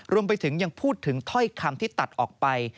รวมไปถึงยังพูดถึงถ้อยคำที่ตัดออกไป